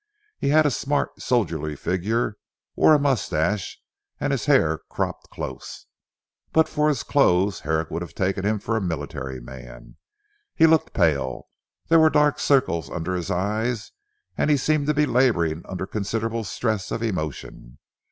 He had a smart soldierly figure, wore a moustache, and his hair cropped close. But for his clothes, Herrick would have taken him for a military man. He looked pale, there were dark circles under his eyes, and he seemed to be labouring under considerable stress of emotion.